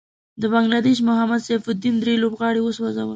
د بنګله دېش محمد سيف الدين دری لوبغاړی وسوځل.